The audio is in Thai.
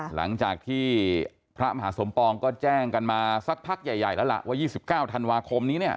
หลังจากที่พระมหาสมปองก็แจ้งกันมาสักพักใหญ่แล้วล่ะว่า๒๙ธันวาคมนี้เนี่ย